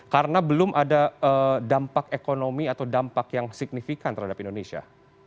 karena belum ada dampak ekonomi atau dampak yang signifikan terhadap indonesia